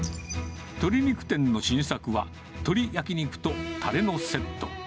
鶏肉店の新作は、鶏焼き肉とたれのセット。